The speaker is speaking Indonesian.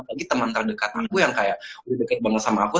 apalagi teman terdekat aku yang kayak udah deket banget sama aku